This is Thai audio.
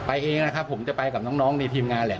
เองนะครับผมจะไปกับน้องในทีมงานแหละ